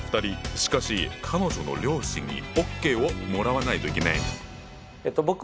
しかし彼女の両親にＯＫをもらわないといけない。